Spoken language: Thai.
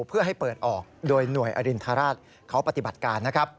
เพื่อให้เปิดออกโดยหน่วยอรินทราชเขาปฏิบัติการนะครับ